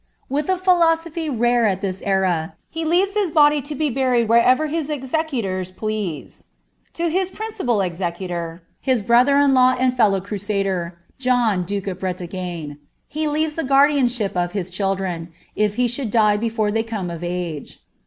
With t philo iophy rare al this era, he leaves his body lo be butled wherever ti To his principal executor, his brolhet in Iaw aiid fe!low cnM«d(r, John duke of Breiagne, he leavos the guardianship of his children, ifba should die before ihey come of age.